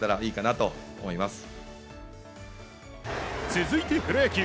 続いてプロ野球。